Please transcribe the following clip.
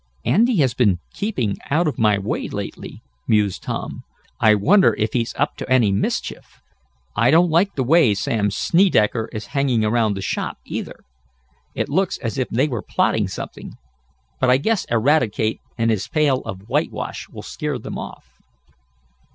"Andy has been keeping out of my way lately," mused Tom. "I wonder if he's up to any mischief? I don't like the way Sam Snedecker is hanging around the shop, either. It looks as if they were plotting something. But I guess Eradicate and his pail of whitewash will scare them off."